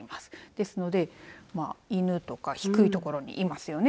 ですので犬とか低いところにいますよね。